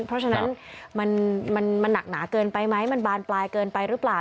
เพราะฉะนั้นมันหนักหนาเกินไปไหมมันบานปลายเกินไปหรือเปล่า